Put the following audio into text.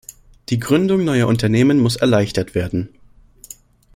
Die Gründung neuer Unternehmen muss erleichtert werden.